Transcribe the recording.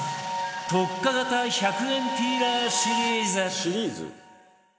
特化型１００円ピーラーシリーズ「シリーズ？」